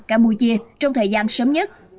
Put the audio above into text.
campuchia trong thời gian sớm nhất